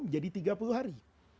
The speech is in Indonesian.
jadi tiga puluh hari